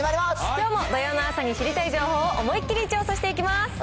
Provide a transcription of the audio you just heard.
きょうも土曜の朝に知りたい情報を思いっ切り調査していきます。